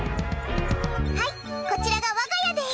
はい、こちらが我が家です！